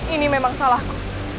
ini memang salahku